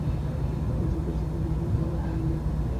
রাজা কিঞ্চিৎ অধীর হইয়া কহিলেন, আপন ভাইয়ের রক্তপাত করিব!